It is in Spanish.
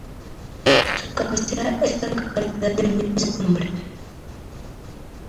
Su cabecera es la localidad del mismo nombre.